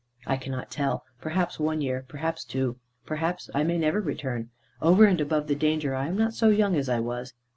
"I cannot tell. Perhaps one year; perhaps two. Perhaps I may never return. Over and above the danger, I am not so young as I was."